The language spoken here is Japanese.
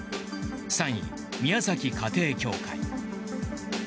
３位、宮崎家庭教会。